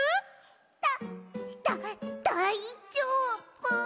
だだだいじょうぶ！